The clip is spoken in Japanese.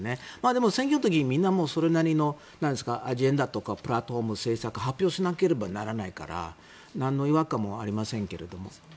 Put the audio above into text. でも、選挙の時みんなそれなりのアジェンダとかプラットフォーム、政策を発表しなければならないからなんの違和感もありませんけれど。